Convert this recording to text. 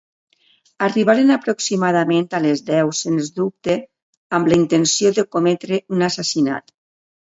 Arribaren aproximadament a les deu, sense dubte amb la intenció de cometre un assassinat.